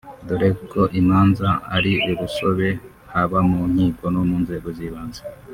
dore ko imanza ari urusobe haba mu nkiko no mu nzego z’ibanze